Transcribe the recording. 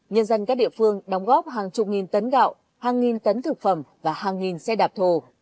nhân dân các địa phương đóng góp hàng chục nghìn tấn gạo hàng nghìn tấn thực phẩm và hàng nghìn xe đạp thồ